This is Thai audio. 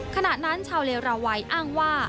ขณะนั้นชาวเลราวัยอ้างว่า